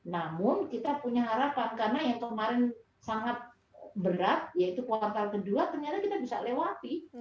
namun kita punya harapan karena yang kemarin sangat berat yaitu kuartal kedua ternyata kita bisa lewati